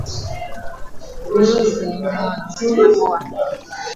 Vinundu kwenye mdomo macho na pua